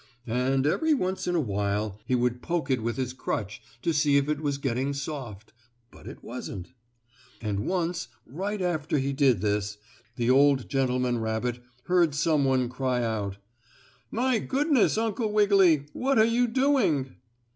And, every once in a while he would poke it with his crutch to see if it was getting soft, but it wasn't. And once, right after he did this, the old gentleman rabbit heard some one cry out: "My goodness, Uncle Wiggily! What are you doing?"